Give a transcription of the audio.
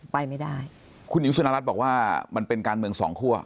ไปไม่ได้คุณหญิงสุนรัฐบอกว่ามันเป็นการเมืองสองคั่ว